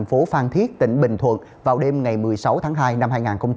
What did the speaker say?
phố phan thiết tỉnh bình thuận vào đêm ngày một mươi sáu tháng hai năm hai nghìn hai mươi